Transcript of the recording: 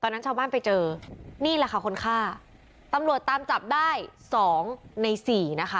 นี่แหละคฎฆ่าตำรวจตามจับได้๒ใน๔นะค่ะ